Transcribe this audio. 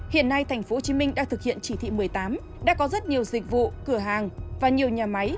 hiện nay tp hcm đang thực hiện chỉ thị một mươi tám đã có rất nhiều dịch vụ cửa hàng và nhiều nhà máy